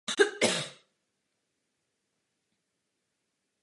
Sezónu završila první místem ve Finále Grand Prix v katarském Dauhá.